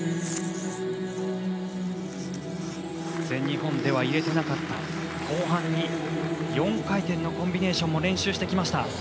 全日本では入れていなかった後半に４回転のコンビネーションも練習してきました。